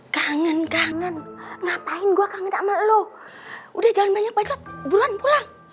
kangen kangen ngapain gua kangen sama lu udah jangan banyak banyak buruan pulang